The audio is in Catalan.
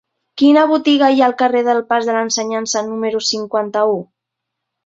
Quina botiga hi ha al carrer del Pas de l'Ensenyança número cinquanta-u?